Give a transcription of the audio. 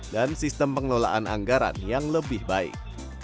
dan sistem pengelolaan anggaran yang lebih baik